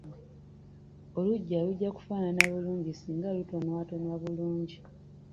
Oluggya lujja kufaanana bulungi singa lutonwatonwa bulungi.